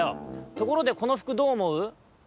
ところでこのふくどうおもう？